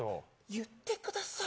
言ってください。